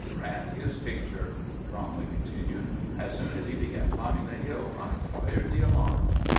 Drat his picture!" Bromley continued. "As soon as he began climbing the hill I fired the alarm."